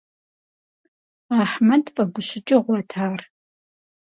Ахьмэд фӀэгущыкӀыгъуэт ар.